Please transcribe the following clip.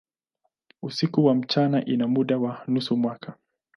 Usiku na mchana ina muda wa nusu mwaka.